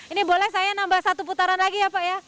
ini boleh saya nambah satu putaran lagi ya pak ya